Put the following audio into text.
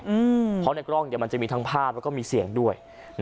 เพราะในกล้องมันจะมีทั้งภาพแล้วก็มีเสียงด้วย